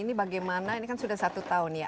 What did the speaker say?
ini bagaimana ini kan sudah satu tahun ya